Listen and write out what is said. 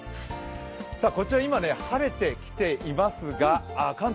こちら、今、晴れてきていますが、関東